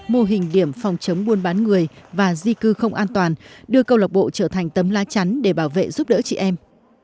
mô hình điểm phòng chống buôn bán người và di cư không an toàn đưa câu lạc bộ trở thành tấm lá chắn để bảo vệ giúp đỡ chị em